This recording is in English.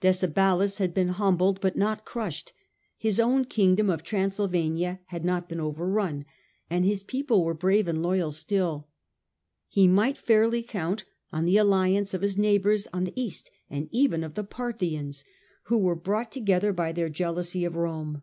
Decebalus had been humbled but not crushed ; his own kingdom of Transyl vania had not been overrun, and his people were brave and loyal still He might fairly count on the alliance ol his neighbours on the east, and even of the Parthians, who were brought together by their jealousy of Rome.